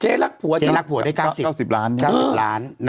เจ๊รักผัวเจ๊รักผัวได้ก้าวสิบล้านขึ้น